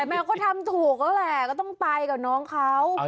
แมวก็ทำถูกแล้วแหละก็ต้องไปกับน้องเขา